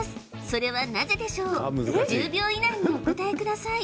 それはなぜでしょう１０秒以内にお答えください